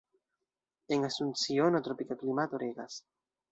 En Asunciono tropika klimato regas.